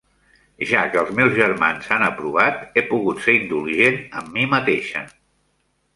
Ja que els meus germans han aprovat, he pogut ser indulgent amb mi mateixa.